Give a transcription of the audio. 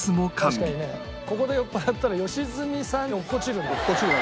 ここで酔っ払ったら良純さん落っこちるな。